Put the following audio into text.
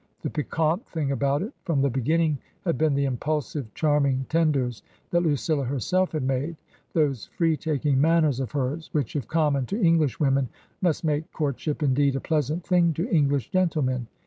The piquant thing about it from the beginning had been the impulsive, charming tenders that Lucilla herself had made — those free taking manners of hers which, if common to English women, must make courtship, indeed, a pleasant thing to English gentlemen.